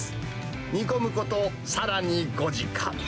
煮込むことさらに５時間。